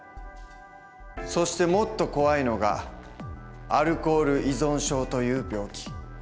そしてもっと怖いのがアルコール依存症という病気。